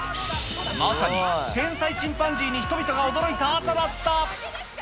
まさに天才チンパンジーに人々が驚いた朝だった。